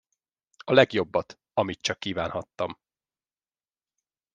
A legjobbat, amit csak kívánhattam.